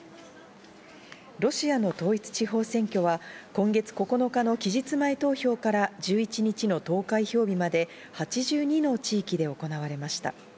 ロシアの統一地方選挙は今月９日の期日前投票から１１日の投開票日まで８２の地域で行われました。